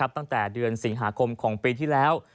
ตั้งแต่เดือนสิงหาคมของปีที่แล้ว